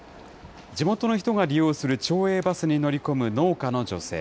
地元の人が利用する町営バスに乗り込む農家の女性。